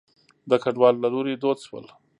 د کډوالو له لوري دود شول.